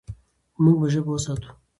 موږ به ژبه وساتو.